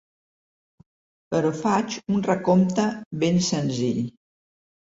Però faig un recompte ben senzill.